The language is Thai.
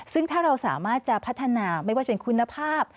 ซึ่งถ้าเราสามารถจะพัฒนาไม่ว่าจะเป็นคุณภาพ